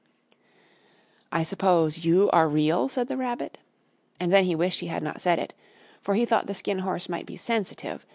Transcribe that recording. "I suppose you are real?" said the Rabbit. And then he wished he had not said it, for he thought the Skin Horse might be sensitive.